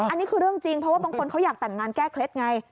อันนี้คือเรื่องจริงเพราะว่าบางคนเขาอยากแต่งงานแก้เคล็ดไง